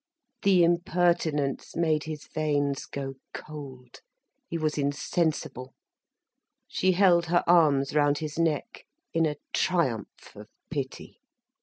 The impertinence made his veins go cold, he was insensible. She held her arms round his neck, in a triumph of pity.